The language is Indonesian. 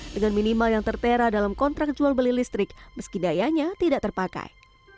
dengan minimal yang tertera dalam kontrak jual beli listrik meski dayanya tidak terpakai